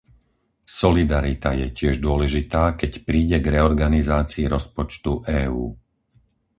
Solidarita je tiež dôležitá, keď príde k reorganizácii rozpočtu EÚ.